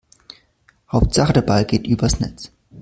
Hauptsache der Ball geht übers Netz.